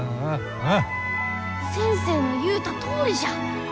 先生の言うたとおりじゃ！